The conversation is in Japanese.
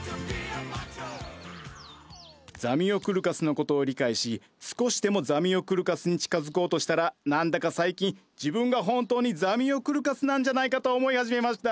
ザミオクルカスのことを理解し少しでもザミオクルカスに近づこうとしたら何だか最近自分が本当にザミオクルカスなんじゃないかと思い始めました。